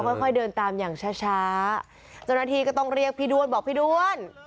ค่อยเดินตามอย่างช้าเจ้าหน้าที่ก็ต้องเรียกพี่ด้วนบอกพี่ด้วน